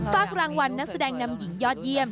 ฝากรางวัลนักแสดงนำหญิงยอดเยี่ยม